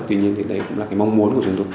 tuy nhiên thì đấy cũng là mong muốn của chúng tôi